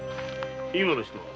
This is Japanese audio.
今の人は？